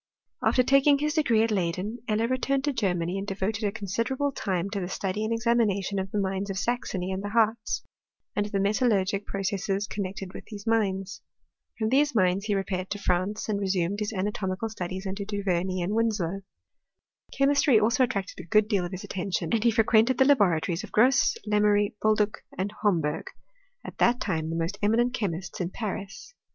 After taking his degree at Leyd^n, Eller returned to Germany, and devoted a considerably timQ to the study and examination of the mines of 8axony and the Hartz, and of the metalluigic pro r cesses connected with these mines. From these inin^ he repaired to France, and resumed his anatomical studies under Du Vemey and Winslow. Chemistry also attracted a good deal of his attention, s^nd he fre quented the laboratories of Grosse, Lemery, Boldue, and Homberg, at that time the most eminent chexQists in Paris.